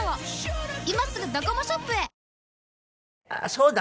そうだ！